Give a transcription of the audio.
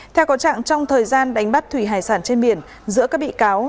theo có trạng trong thời gian đánh bắt thủy hải sản trên biển giữa các bị cáo